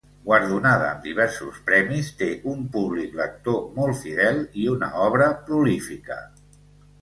Guardonada amb diversos premis, té un públic lector molt fidel i una obra prolífica.